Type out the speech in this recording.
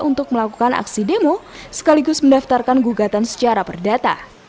untuk melakukan aksi demo sekaligus mendaftarkan gugatan secara perdata